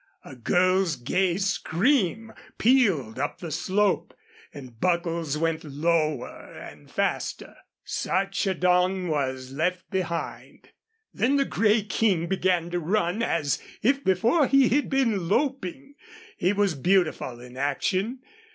A girl's gay scream pealed up the slope, and Buckles went lower and faster. Sarchedon was left behind. Then the gray King began to run as if before he had been loping. He was beautiful in action.